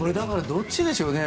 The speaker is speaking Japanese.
どっちでしょうね。